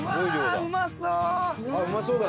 うまそう！